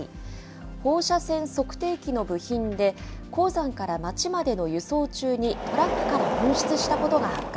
放射線測定器の部品で鉱山から町までの輸送中に、トラックから紛失したことが発覚。